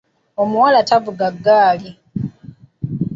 Omuwala tavuga ggaali